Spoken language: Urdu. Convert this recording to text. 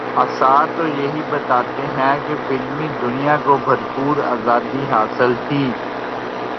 آثار تو یہی بتاتے ہیں کہ فلمی دنیا کو بھرپور آزادی حاصل تھی۔